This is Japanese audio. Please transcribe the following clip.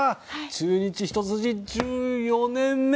中日ひと筋１４年目。